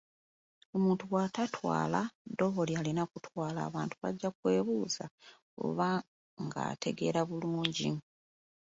Omuntu bw'atatwala ddobo ly’alina kutwala, abantu bajja kwebuuza oba ng’ategeera bulungi.